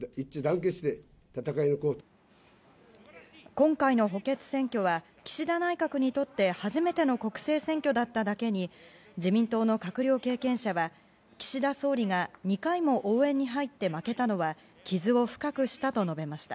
今回の補欠選挙は岸田内閣にとって初めての国政選挙だっただけに自民党の閣僚経験者は岸田総理が２回も応援に入って負けたのは傷を深くしたと述べました。